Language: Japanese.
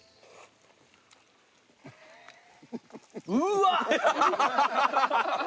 うわっ！